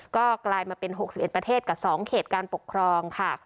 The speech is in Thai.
ก็กลายมาเป็น๖๑ประเทศกับ๒เขตการปกครองค่ะ